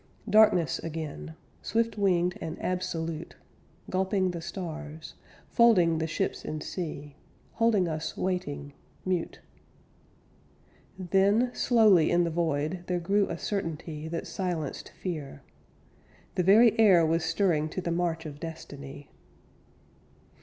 Darkness again, Swift winged and absolute, Gulping the stars, Folding the ships and sea, Holding us waiting, mute. Then, slowly in the void, There grew a certainty That silenced fear. The very air Was stirring to the march of Destiny.